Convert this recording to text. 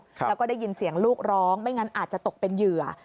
แล้วก็ได้ยินเสียงลูกร้องไม่งั้นอาจจะตกเป็นเหยื่อ